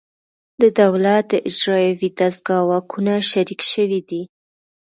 د دولت د اجرایوي دستگاه واکونه شریک شوي دي